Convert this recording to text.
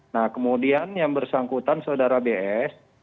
nah kemudian yang bersangkutan saudara bs